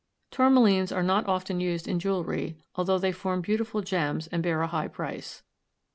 Tourmalines are not often used in jewelry, although they form beautiful gems and bear a high price.